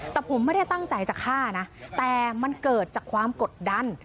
แต่ผมไม่ได้ตั้งใจจะฆ่านะแต่มันเกิดจากความกดดัน